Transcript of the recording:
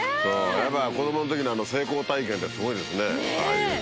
やっぱ子供の時の成功体験ってすごいんですねああいう。